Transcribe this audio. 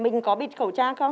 mình có bịt khẩu trang không